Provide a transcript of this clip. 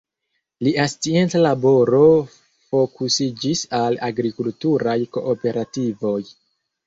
Lia scienca laboro fokusiĝis al agrikulturaj kooperativoj.